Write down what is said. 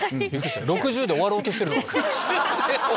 ６０で終わろうとしてるのかと思った。